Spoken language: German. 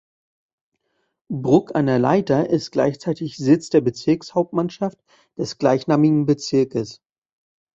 Bruck an der Leitha ist gleichzeitig Sitz der Bezirkshauptmannschaft des gleichnamigen Bezirkes.